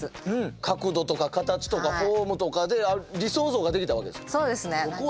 角度とか形とかフォームとかで理想像が出来たわけですか？